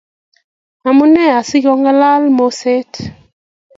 Amunee asikong'alal moseet?